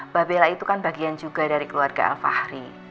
mbak bella itu kan bagian juga dari keluarga alfahri